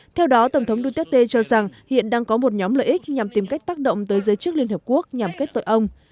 theo đó tổng thống duterte cho rằng hiện đang có một nhóm lợi ích nhằm tìm cách tác động tới giới chức liên hợp quốc nhằm kết tội ông